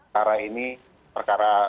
karena ini perkara